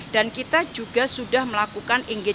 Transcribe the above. dan kita juga sudah melakukan engagement